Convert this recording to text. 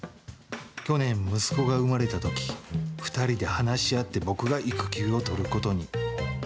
去年、息子が生まれたとき、２人で話し合って僕が育休を取ることに。